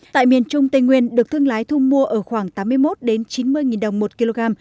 tại miền trung tây nguyên được thương lái thu mua ở khoảng tám mươi một chín mươi đồng một kg